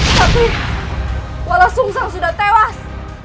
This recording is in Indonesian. tapi walang sung sang sudah tewas